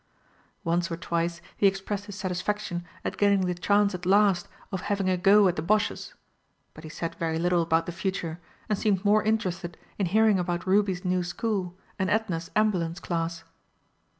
Once or twice he expressed his satisfaction at getting the chance at last of having a go at the Bosches but he said very little about the future, and seemed more interested in hearing about Ruby's new school and Edna's ambulance class.